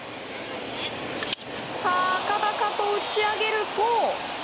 高々と打ち上げると。